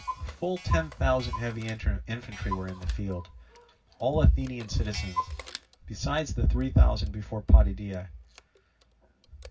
Full ten thousand heavy infantry were in the field, all Athenian citizens, besides the three thousand before Potidæa.